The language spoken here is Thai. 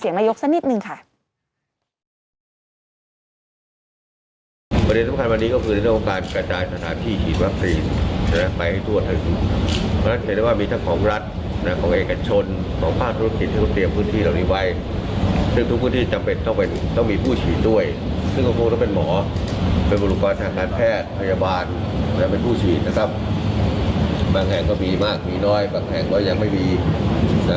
อย่างนี้ลองไปฟังเสียงระยกสักนิดนึงค่ะ